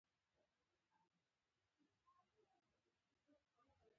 پل نیمايي د افغانستان دی.